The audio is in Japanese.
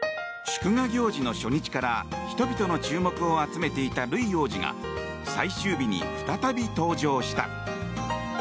祝賀行事の初日から人々の注目を集めていたルイ王子が最終日に再び登場した。